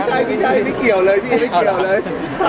ไม่ใช่ไม่เกี่ยวเลย